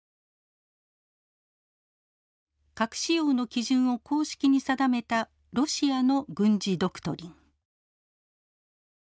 核使用の基準を公式に定めたロシアの軍事ドクトリン。